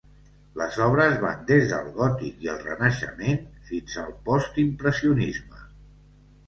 Les obres van des del gòtic i el renaixement fins al postimpressionisme.